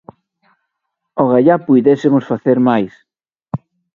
Ogallá puidésemos facer máis.